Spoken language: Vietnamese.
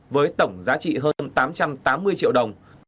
với tổng giá trị hơn tám trăm tám mươi triệu đồng